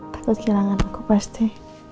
takut kehilangan aku pasti